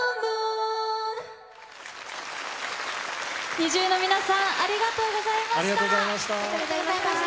ＮｉｚｉＵの皆さん、ありがありがとうございました。